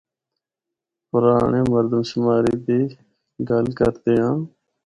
پرانڑے مردم شماری دی گل کردے آں۔